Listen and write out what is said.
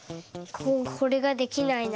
これができないな。